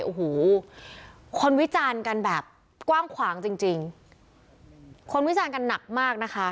โอ้โหคนวิจารณ์กันแบบกว้างขวางจริงจริงคนวิจารณ์กันหนักมากนะคะ